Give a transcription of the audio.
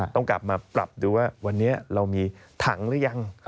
ต้องกลับมาปรับดูว่าวันนี้เรามีถังหรือยัง